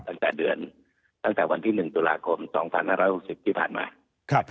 ตั้งแต่เดือนตั้งแต่วันที่หนึ่งตุลาคมสองพันห้าร้อยหกสิบที่ผ่านมาครับ